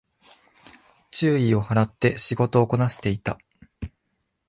注意を払って仕事をこなしていた